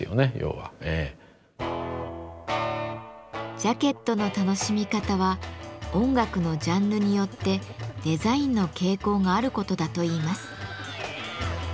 ジャケットの楽しみ方は音楽のジャンルによってデザインの傾向があることだといいます。